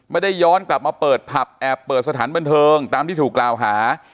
ย้อนกลับมาเปิดผับแอบเปิดสถานบันเทิงตามที่ถูกกล่าวหา